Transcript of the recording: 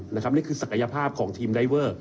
นี่คือศักยภาพของทีมไดเวอร์